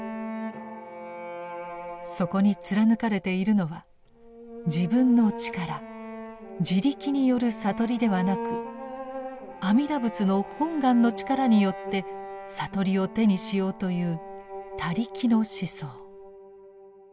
そこに貫かれているのは自分の力「自力」による悟りではなく阿弥陀仏の本願の力によって悟りを手にしようという「他力」の思想。